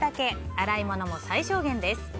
洗い物も最小限です。